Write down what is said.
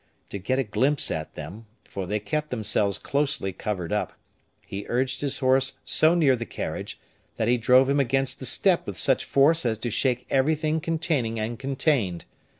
To get a glimpse at them, for they kept themselves closely covered up, he urged his horse so near the carriage, that he drove him against the step with such force as to shake everything containing and contained.